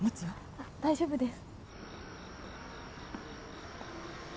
あっ大丈夫です。